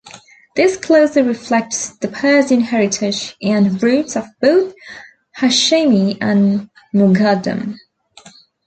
This closely reflects the Persian heritage and roots of both Hashemi and Moghaddam.